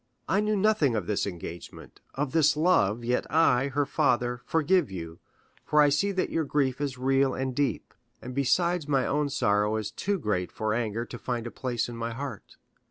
I knew nothing of this engagement, of this love, yet I, her father, forgive you, for I see that your grief is real and deep; and besides my own sorrow is too great for anger to find a place in my heart.